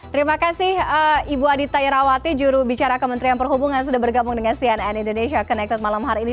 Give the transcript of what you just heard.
terima kasih ibu adita irawati juru bicara kementerian perhubungan sudah bergabung dengan cnn indonesia connected malam hari ini